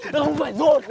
tao không phải ruột